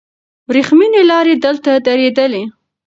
وریښمینې لارې دلته تېرېدلې.